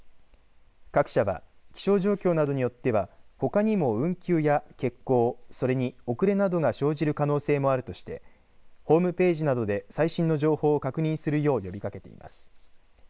各社は気象状況などによってはほかにも運休や欠航、それに遅れなどが生じる可能性もあるとして、ホームページなどで最新の情報を確認するよう呼びかけています。